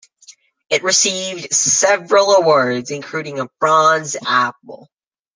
It received several awards, including a Bronze Apple.